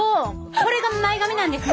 これが前髪なんですね